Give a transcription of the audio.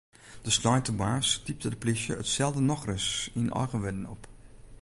De sneintemoarns typte de plysje itselde nochris yn eigen wurden op.